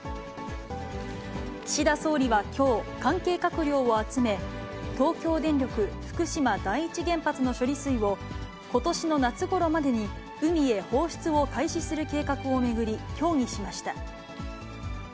岸田総理はきょう、関係閣僚を集め、東京電力福島第一原発の処理水を、ことしの夏ごろまでに海へ放出を開始する計画を巡り協議しました。